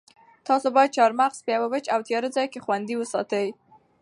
تاسو باید چهارمغز په یوه وچ او تیاره ځای کې خوندي وساتئ.